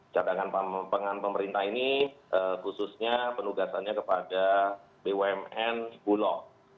cadangan pangan pemerintah ini khususnya penugasannya kepada bumn bulog